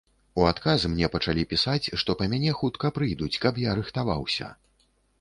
У адказ мне пачалі пісаць, што па мяне хутка прыйдуць, каб я рыхтаваўся.